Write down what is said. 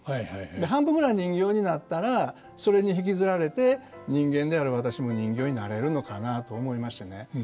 で半分ぐらい人形になったらそれに引きずられて人間である私も人形になれるのかなと思いましてね。